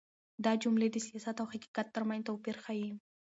دا جملې د سياست او حقيقت تر منځ توپير ښيي.